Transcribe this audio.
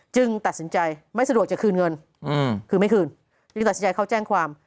ตัดสินใจไม่สะดวกจะคืนเงินคือไม่คืนเลยตัดสินใจเข้าแจ้งความ